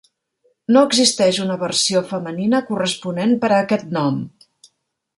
No existeix una versió femenina corresponent per a aquest nom.